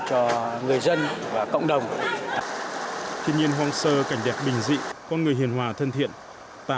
cho người dân và cộng đồng thiên nhiên hoang sơ cảnh đẹp bình dị con người hiền hòa thân thiện tà